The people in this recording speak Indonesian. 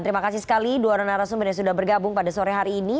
terima kasih sekali dua orang narasumber yang sudah bergabung pada sore hari ini